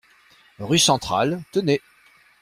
Rue Centrale, Tenay